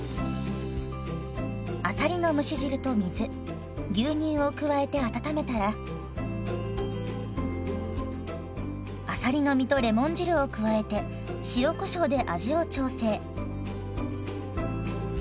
あさりの蒸し汁と水牛乳を加えて温めたらあさりの身とレモン汁を加えて塩こしょうで味を調整。